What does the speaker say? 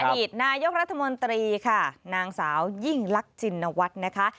อดีตนายกรัฐมนตรีค่ะนางสาวยิ่งลักจินวัฒน์นะคะ